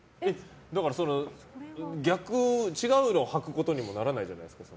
違うのを履くことにもならないじゃないですか。